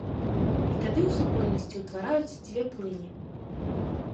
І тады ў супольнасці ўтвараюцца дзве плыні.